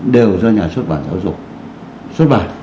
đều do nhà xuất bản giáo dục